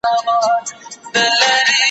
پاس د مځکي پر سر پورته عدالت دئ